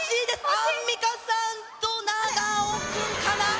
アンミカさんと長尾君かな？